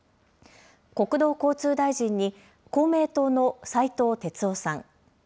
国土交通大臣に公明党の斉藤鉄夫さん。